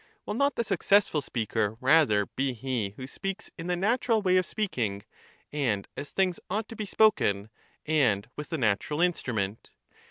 Will not the successful speaker rather be he who ^pphedto ... speech. speaks m the natiu*al way of speaking, and as things ought to be spoken, and with the natural instrument?